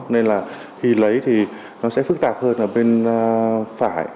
nên là khi lấy thì nó sẽ phức tạp hơn ở bên phải